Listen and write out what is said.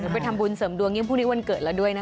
ไปทำบุญเสริมดวงยังพรุ่งนี้วันเกิดแล้วด้วยนะคะ